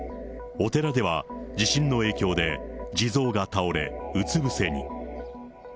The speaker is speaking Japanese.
お寺では、地震の影響で、地蔵が倒れ、うつ伏せに。